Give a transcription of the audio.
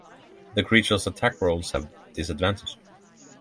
The creature’s attack rolls have disadvantage.